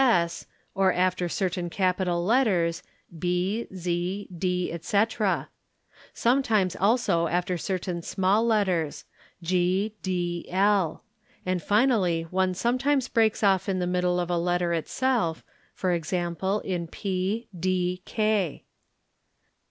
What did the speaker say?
8 or after certain capital letters, B, Z, D, etc. ; sometimes also after certail small letters, g, d,1; and finally one sometimes breaks off in the middle of a letter itself, e.g., in p, d, k.